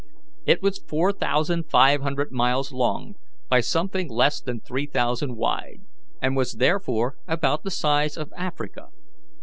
It was four thousand five hundred miles long by something less than three thousand wide, and was therefore about the size of Africa.